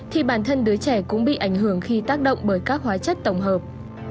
thì bản thân đứa trẻ cũng bị ảnh hưởng khi tác động bởi các hóa chất tổng hợp